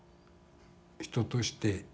人として。